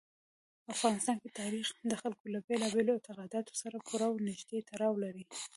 افغانستان کې تاریخ د خلکو له بېلابېلو اعتقاداتو سره پوره او نږدې تړاو لري.